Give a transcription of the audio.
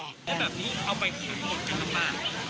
ถ้าแบบนี้เอาไปขายไม่หมดจะทำบ้าน